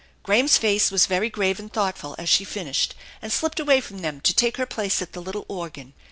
Graham's face was very grave and thoughtful as she finished and slipped away from them to take her place at the little organ.